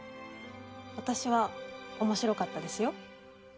私は面白かったですよ。